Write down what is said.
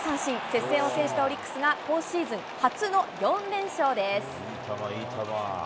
接戦を制したオリックスが、今シーズン初の４連勝です。